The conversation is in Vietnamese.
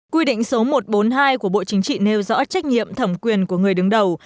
quy định số một trăm bốn mươi hai của bộ chính trị nêu rõ trách nhiệm thẩm quyền của người đứng đầu